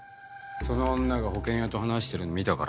その女が保険屋と話してるの見たからだよ。